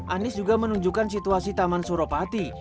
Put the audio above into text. anies juga menunjukkan situasi taman suropati